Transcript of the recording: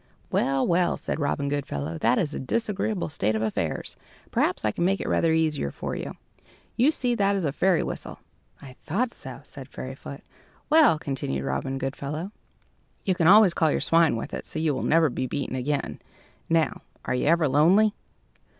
"Well, well," said Robin Goodfellow, "that is a disagreeable state of affairs. Perhaps I can make it rather easier for you. You see that is a fairy whistle." "I thought so," said Fairyfoot. "Well," continued Robin Goodfellow, "you can always call your swine with it, so you will never be beaten again. Now, are you ever lonely?"